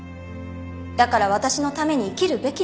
だから私のために生きるべきなの